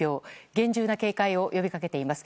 厳重な警戒を呼びかけています。